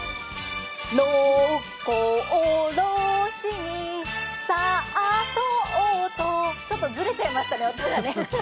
六甲おろしにさっそうとちょっとずれちゃいましたね、音がね。